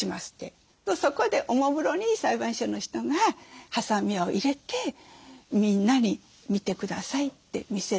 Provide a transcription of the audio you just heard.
そこでおもむろに裁判所の人がはさみを入れてみんなに見て下さいって見せる。